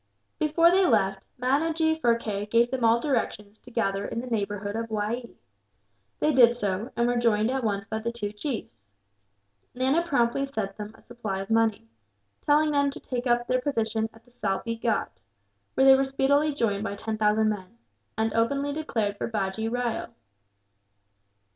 Before they left, Manajee Phurkay gave them all directions to gather in the neighbourhood of Waee. They did so, and were joined at once by the two chiefs. Nana promptly sent them a supply of money, telling them to take up their position at the Salpee Ghaut; where they were speedily joined by ten thousand men, and openly declared for Bajee Rao.